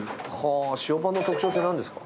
塩パンの特徴って何ですか？